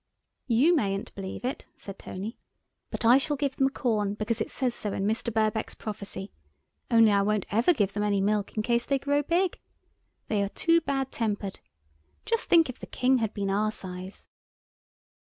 "You mayn't believe it;" said Tony, "but I shall give them corn because it says so in Mr. Birkbeck's prophecy, only I won't ever give them any milk in case they grow big. They are too bad tempered. Just think if the King had been our size!"